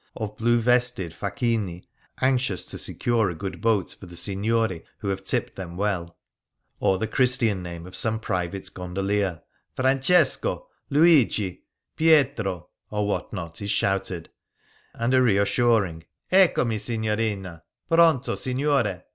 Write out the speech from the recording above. of blue vested faccliini, anxious to secure a good boat for the sigmori who have tipped them well. Or the Christian 19 Things Seen in Venice name of some private gondolier —" Francesco !''" Luigi !"" Pietro !" or what not — is shouted ; and a reassuring " Eccomi, Signorina !" "Pronto, Signore